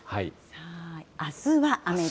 あすは雨。